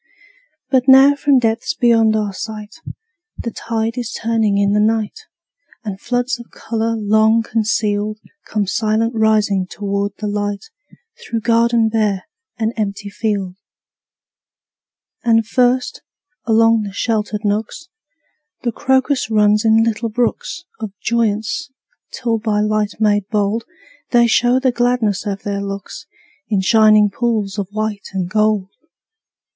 But now from depths beyond our sight, The tide is turning in the night, And floods of color long concealed Come silent rising toward the light, Through garden bare and empty field. And first, along the sheltered nooks, The crocus runs in little brooks Of joyance, till by light made bold They show the gladness of their looks In shining pools of white and gold.